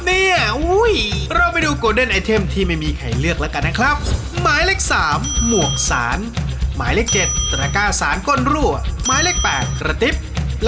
ที่เป็นหนึ่งข้าวเหนียว